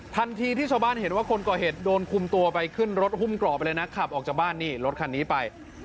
ทันทีที่ชาวบ้านเห็นว่าคนก่อเหตุโดนคุมตัวไปขึ้นรถหุ้มกรอบไปเลยนะขับออกจากบ้านนี่รถคันนี้ไป